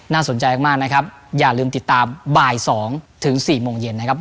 สนใจมากนะครับอย่าลืมติดตามบ่าย๒ถึง๔โมงเย็นนะครับ